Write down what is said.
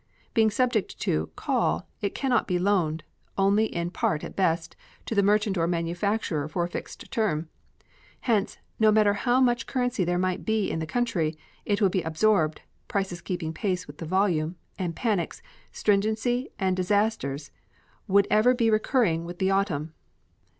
Being subject to "call," it can not be loaned, only in part at best, to the merchant or manufacturer for a fixed term. Hence, no matter how much currency there might be in the country, it would be absorbed, prices keeping pace with the volume, and panics, stringency, and disasters would ever be recurring with the autumn.